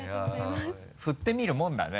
振ってみるもんだね。